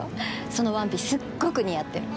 そのワンピースすっごく似合ってる。